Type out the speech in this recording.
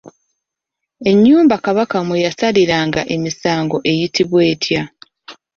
Ennyumba Kabaka mwe yasaliranga emisango eyitibwa etya?